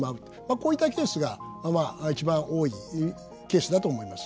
こういったケースがまあ一番多いケースだと思います。